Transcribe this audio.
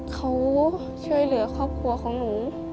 เขาช่วยเหลือครอบครัวของหนู